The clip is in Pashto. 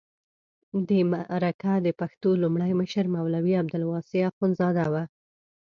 د مرکه د پښتو لومړی مشر مولوي عبدالواسع اخندزاده و.